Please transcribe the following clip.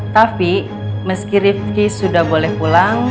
tapi meski rifki sudah boleh pulang